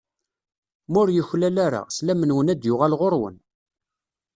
Ma ur yuklal ara, slam-nwen ad d-yuɣal ɣur-wen.